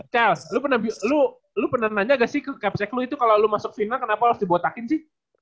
cel lu pernah nanya gak sih ke capsec lu itu kalau lu masuk final kenapa harus dibotakin sih